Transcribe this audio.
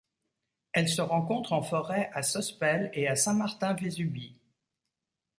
Elle se rencontre en forêt à Sospel et à Saint-Martin-Vésubie.